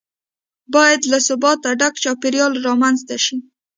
باید له ثباته ډک چاپیریال رامنځته شي.